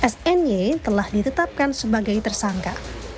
sny telah ditetapkan sebagai tersangka